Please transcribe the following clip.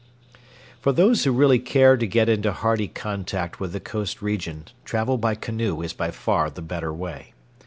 For those who really care to get into hearty contact with the coast region, travel by canoe is by far the better way.